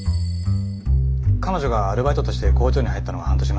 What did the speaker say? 彼女がアルバイトとして工場に入ったのが半年前。